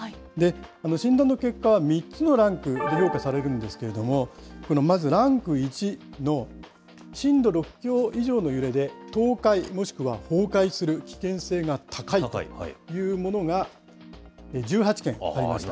診断の結果は３つのランクに評価されるんですけれども、このまずランク１の震度６強以上の揺れで倒壊もしくは崩壊する危険性が高いというものが、１８件ありました。